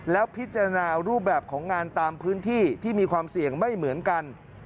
แล้วพิจารณารูปแบบของงานตามพื้นที่ที่มีความเสี่ยงไม่เหมือนกัน